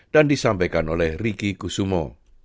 dan disampaikan oleh riki kusumo